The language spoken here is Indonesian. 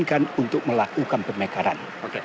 mereka memikirkan untuk melakukan pemekaran